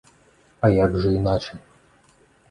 А як жа іначай!